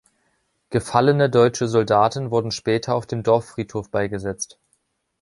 Gefallene deutsche Soldaten wurden später auf dem Dorffriedhof beigesetzt.